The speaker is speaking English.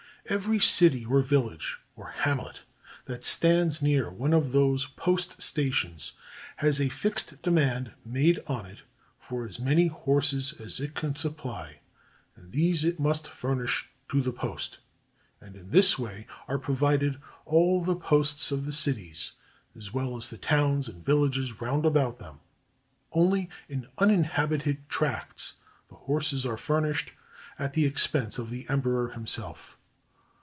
Every city or village or hamlet that stands near one of those post stations has a fixed demand made on it for as many horses as it can supply, and these it must furnish to the post. And in this way are provided all the posts of the cities, as well as the towns and villages roundabout them ; only in uninhabited tracts the horses are furnished at the expense of the emperor himself.